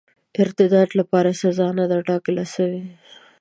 ارتداد لپاره سزا نه ده ټاکله سوې.